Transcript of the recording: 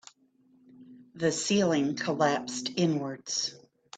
The ceiling collapsed inwards.